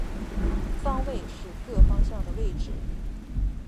方位是各方向的位置。